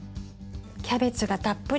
キャベツがたっぷり。